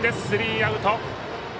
スリーアウト。